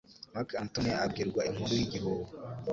Mark Antony abwirwa inkuru y'igihuha